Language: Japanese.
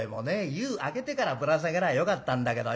湯空けてからぶら下げりゃよかったんだけどよ。